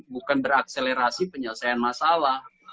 bukan berakselerasi penyelesaian masalah